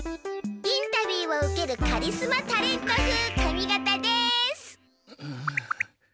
インタビューを受けるカリスマ・タレント風髪型です！